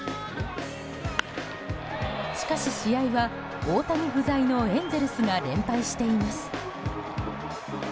しかし、試合は大谷不在のエンゼルスが連敗しています。